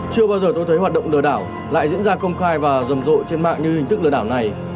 chưa bao giờ tôi thấy hoạt động lừa đảo lại diễn ra công khai và rầm rộ trên mạng như hình thức lừa đảo này